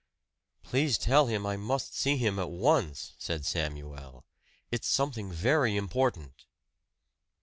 "Please tell him I must see him at once," said Samuel. "It's something very important."